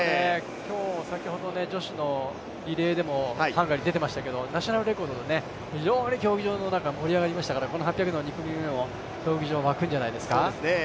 今日先ほど女子のリレーでもハンガリー出ていましたけれども、ナショナルレコード、非常に競技場の中、盛り上がりましたので、８００ｍの２組目もわくんじゃないでしょうか。